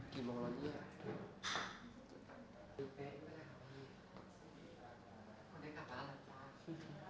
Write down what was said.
ขอบคุณครับ